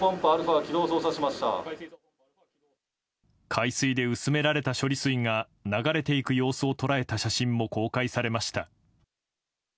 海水で薄められた処理水が流れていく様子を捉えた写真も公開されました。